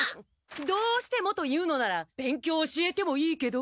どうしてもと言うのなら勉強を教えてもいいけど。